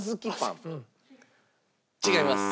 違います。